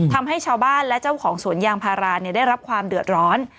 ทำให้ชาวบ้านและเจ้าของสวนยางพาราได้รับความเดือดร้อน